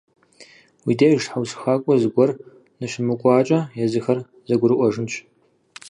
Уи деж тхьэусыхакӏуэ зыгуэр ныщымыкӏуакӏэ, езыхэр зэгурыӏуэжынщ.